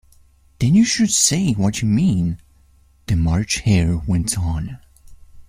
‘Then you should say what you mean,’ the March Hare went on.